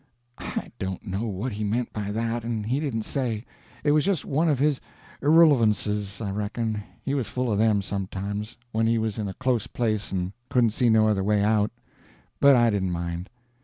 I don't know what he meant by that, and he didn't say; it was just one of his irrulevances, I reckon—he was full of them, sometimes, when he was in a close place and couldn't see no other way out—but I didn't mind.